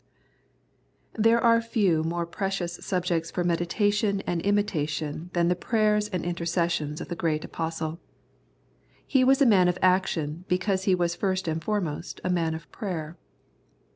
There are few more precious subjects for meditation and imitation than the prayers and intercessions of the great Apostle. He was a man of action because he was first and foremost a man of prayer.